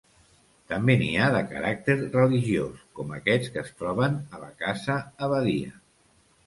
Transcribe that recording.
També n'hi ha de caràcter religiós, com aquests que es troben a la Casa Abadia.